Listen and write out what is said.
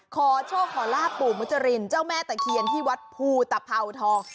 ขอโชคขอลาบปู่มุจรินเจ้าแม่ตะเคียนที่วัดภูตภาวทอง